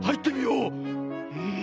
うん！